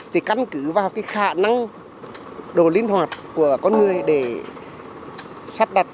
thì căn cứ vào cái khả năng đồ linh hoạt của con người để sắp đặt